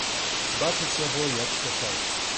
Бачыць яго, як спяшаецца.